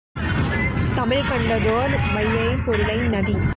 தமிழ்கண்டதோர் வையை பொருனை நதி